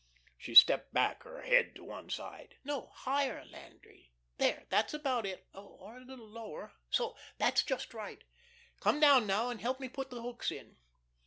She stepped back, her head to one side. "No; higher, Landry. There, that's about it or a little lower so. That's just right. Come down now and help me put the hooks in."